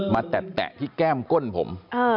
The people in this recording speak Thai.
มาติดแตะที่แก้มก้นผม